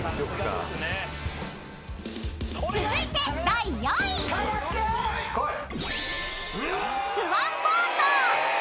［続いて第４位］マジ！？